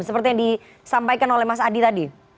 seperti yang disampaikan oleh mas adi tadi